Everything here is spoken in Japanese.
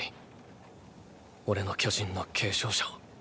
オレの巨人の継承者を。